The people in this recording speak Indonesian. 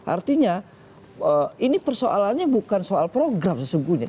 artinya ini persoalannya bukan soal program sesungguhnya